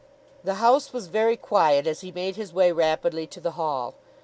The house was very quiet as he made his way rapidly to the hall.